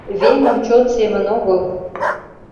Веҥым чон семын огыл.